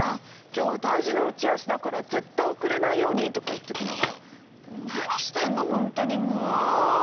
「今日は大事な打ち合わせだから絶対遅れないように」とか言っときながら何してんの本当にもう！